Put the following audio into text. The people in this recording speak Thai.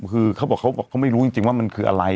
เค้าบอกว่าเค้าไม่รู้จริงว่ามันคืออะไร